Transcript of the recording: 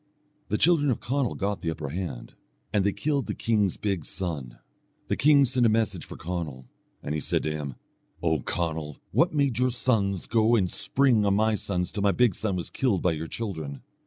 The children of Conall got the upper hand, and they killed the king's big son. The king sent a message for Conall, and he said to him: "O Conall! what made your sons go to spring on my sons till my big son was killed by your children?